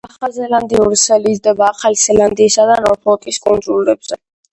ახალზელანდიური სელი იზრდება ახალი ზელანდიისა და ნორფოლკის კუნძულებზე.